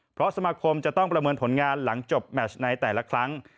เพราะสมาคมจะต้องประเมินผลงานหลังจบแมชในแต่ละครั้ง